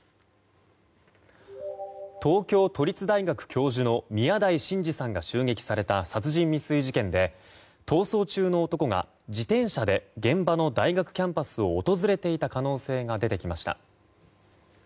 東京都立大学教授の宮台真司さんが襲撃された殺人未遂事件で逃走中の男が自転車で現場の大学キャンパスを訪れていた可能性が出てきました。